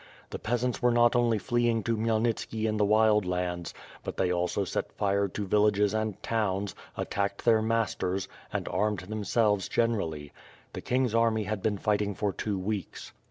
The peasants were not only fleeing to Khrayelnitski in the Wild Lands, but they also set fire to villages and towns, attacked their masters, and armed themselves generally. The king's army had been fighting for two weeks.